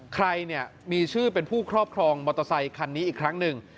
ใครเนี่ยมีชื่อเป็นผู้ครอบครองมอเตอร์ไซคันนี้อีกครั้งหนึ่ง